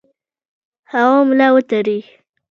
هغه ملا وتړي.